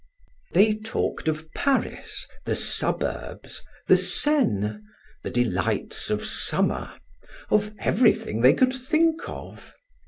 They talked of Paris, the suburbs, the Seine, the delights of summer, of everything they could think of.